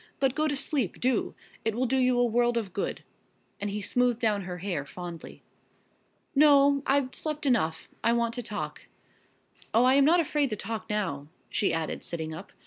But go to sleep, do! It will do you a world of good," and he smoothed down her hair fondly. "No, I've slept enough I want to talk. Oh, I am not afraid to talk now," she added, sitting up.